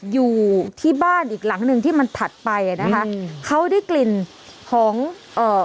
อยู่ที่บ้านอีกหลังหนึ่งที่มันถัดไปอ่ะนะคะเขาได้กลิ่นของเอ่อ